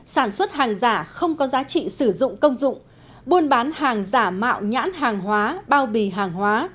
sản xuất hàng giả không có giá trị sử dụng công dụng